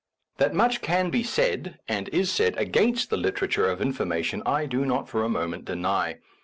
That much can be said, and is said, against the literature of information, I do not for a moment deny.